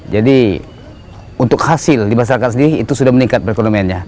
jadi untuk hasil di masyarakat sendiri itu sudah meningkat perekonomiannya